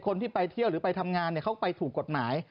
คนที่ไปเที่ยวหรือไปทำงานเขาไปถูกกฎหมาย